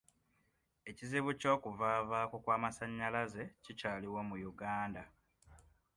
Ekizibu ky'okuvaavaako kw'amasannyalaze kikyaliwo mu Uganda.